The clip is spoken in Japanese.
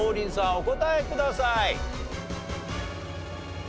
お答えください。